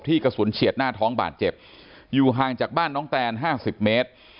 กระสุนเฉียดหน้าท้องบาดเจ็บอยู่ห่างจากบ้านน้องแตนห้าสิบเมตร